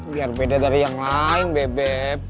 biar beda dari yang lain bebek